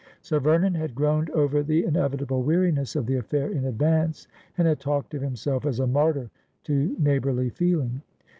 Sir Vernon had groaned over the inevitable weariness of the affair in advance, and had talked of himself as a martyr to neighbourly feeling.